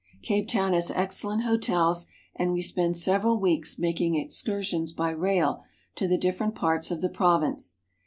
Cape Town has excellent hotels, and we spend several weeks making excursions by rail to the different parts of the province.